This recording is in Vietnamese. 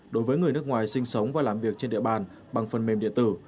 đối với người nước ngoài sinh sống và làm việc trên địa bàn bằng phần mềm điện tử